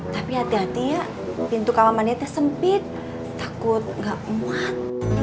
tapi hati hatinya pintu kawang mandinya teh sempit takut nggak umat